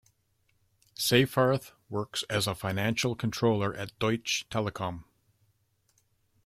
Seyfarth works as a financial controller at Deutsche Telekom.